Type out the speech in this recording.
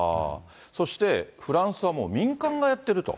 そして、フランスはもう、民間がやってると。